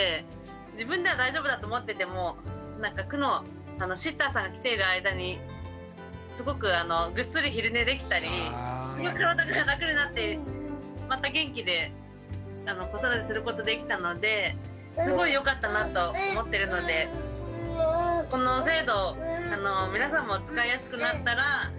自分では大丈夫だと思ってても区のシッターさんが来ている間にすごくぐっすり昼寝できたりすごく体が楽になってまた元気で子育てすることできたのですごいよかったなと思ってるのでこの制度を皆さんも使いやすくなったらいいなと思ってます。